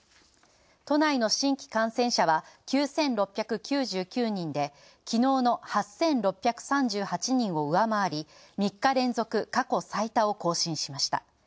都内の新規感染者は９６９９人で、昨日の８６３８人を上回り、３日連続過去最多を更新しました